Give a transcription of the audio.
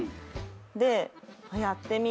でやってみよう。